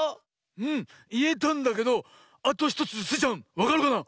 うんいえたんだけどあと１つスイちゃんわかるかな？